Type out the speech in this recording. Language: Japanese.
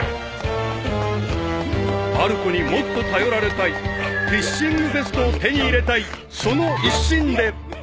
［まる子にもっと頼られたいフィッシングベストを手に入れたいその一心で］